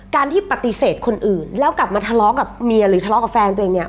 การที่ปฏิเสธคนอื่นแล้วกลับมาทะเลาะกับเมียหรือทะเลาะกับแฟนตัวเองเนี่ย